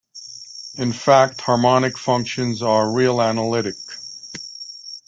In fact, harmonic functions are real analytic.